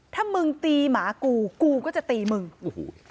ถ้ามึงตีหมากูกูก็จะตีมึงโอ้โห